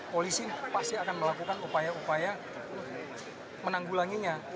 polisi pasti akan melakukan upaya upaya menanggulanginya